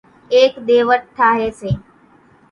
ايڪ ۮيوٽ ٺاۿي سي